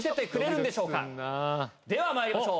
ではまいりましょう！